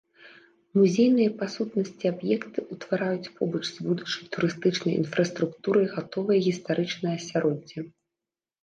Музейныя па сутнасці аб'екты ўтвараюць побач з будучай турыстычнай інфраструктурай гатовае гістарычнае асяроддзе.